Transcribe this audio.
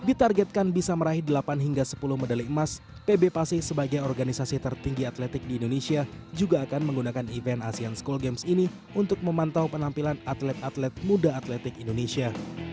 ditargetkan bisa meraih delapan hingga sepuluh medali emas pb pasi sebagai organisasi tertinggi atletik di indonesia juga akan menggunakan event asean school games ini untuk memantau penampilan atlet atlet muda atletik indonesia